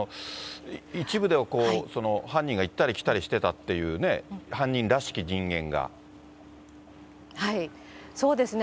一部ではこう、犯人が行ったり来たりしてたっていうね、そうですね。